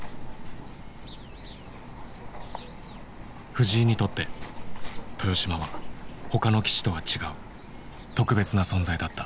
藤井にとって豊島はほかの棋士とは違う特別な存在だった。